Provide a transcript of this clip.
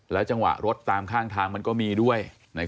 จังหวะรถตามข้างทางมันก็มีด้วย